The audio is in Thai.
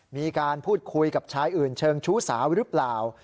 มีการพูดคุยกับชายอื่นเชิงชู้สาวหรือเปล่า